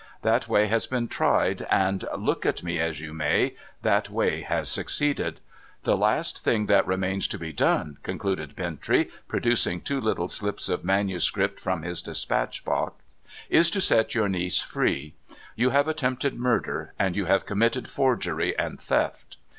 That way has been tried, and (look at me as you may) that way has succeeded. The last thing that remains to be done,' concluded Bintrey, producing two little slips of manuscript from his despatch box, ' is to set your niece free. You have attempted murder, and you have committed forgery and theft.